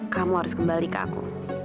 kamu harus kembali ke aku